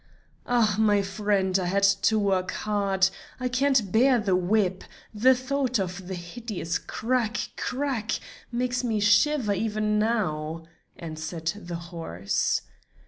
"Ah, my friend, I had to work hard; I can't bear the whip; the thought of the hideous crack! crack! makes me shiver even now," answered the horse.